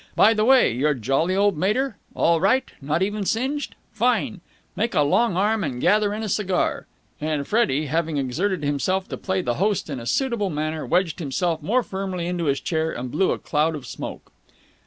By the way, your jolly old mater. All right? Not even singed? Fine! Make a long arm and gather in a cigar." And Freddie, having exerted himself to play the host in a suitable manner, wedged himself more firmly into his chair and blew a cloud of smoke.